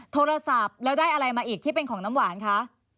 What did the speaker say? โทรศัพท์แล้วได้อะไรมาอีกที่เป็นของน้ำหวานคะ